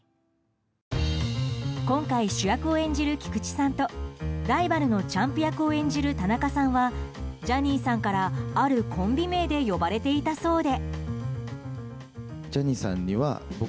今回主役を演じる菊池さんとライバルのチャンプ役を演じる田中さんはジャニーさんからあるコンビ名で呼ばれていたそうで。